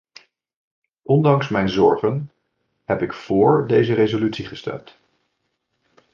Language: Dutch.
Ondanks mijn zorgen heb ik voor deze resolutie gestemd.